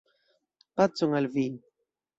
Pacon al vi!